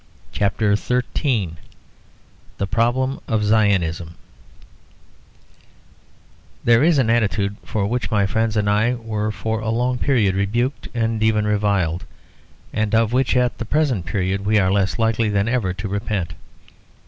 CHAPTER XIII THE PROBLEM OF ZIONISM There is an attitude for which my friends and I were for a long period rebuked and even reviled; and of which at the present period we are less likely than ever to repent.